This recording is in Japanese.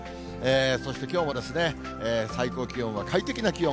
そしてきょうも最高気温は快適な気温。